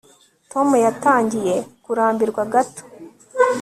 tom yatangiye kurambirwa gato